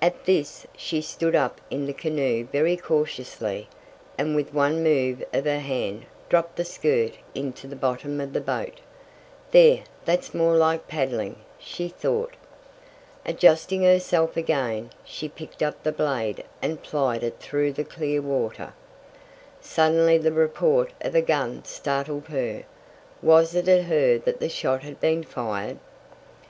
At this she stood up in the canoe very cautiously, and with one move of her hand dropped the skirt into the bottom of the boat. "There, that's more like paddling," she thought. Adjusting herself again, she picked up the blade and plied it through the clear water. Suddenly the report of a gun startled her! Was it at her that the shot had been fired?